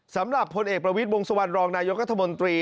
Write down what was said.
สำหรับพลเอกประวิทย์วงสุวรรณรองนายกัธมนตรี